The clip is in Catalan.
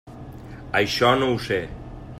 Això no ho sé.